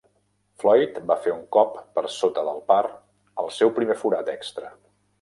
Floyd va fer un cop per sota del par al seu primer forat extra.